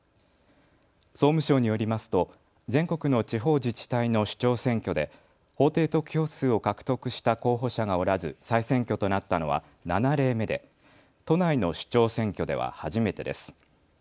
総務省によりますと全国の地方自治体の首長選挙で法定得票数を獲得した候補者がおらず再選挙となったのは７例目で都内の首長選挙では初めてです。